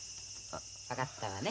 分かったわね。